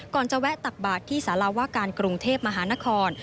จะแวะตักบาทที่สารวาการกรุงเทพมหานคร